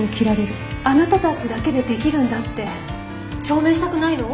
あなたたちだけでできるんだって証明したくないの？